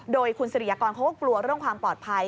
โดยคุณสิริยากรเขาก็กลัวเรื่องความปลอดภัย